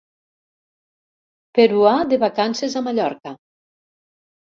Peruà de vacances a Mallorca.